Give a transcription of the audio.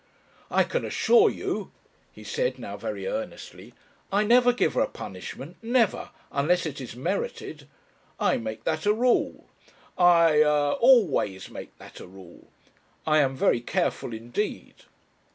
"I can assure you," he said, now very earnestly, "I never give a punishment, never, unless it is merited. I make that a rule. I er always make that a rule. I am very careful indeed."